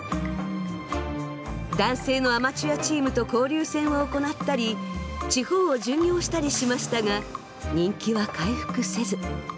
男性のアマチュアチームと交流戦を行ったり地方を巡業したりしましたが人気は回復せず。